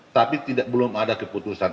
tapi belum ada keputusan